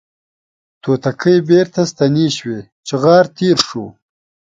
توتکۍ بیرته ستنې شوې چغار تیر شو